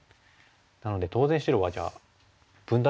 なので当然白はじゃあ分断してきます。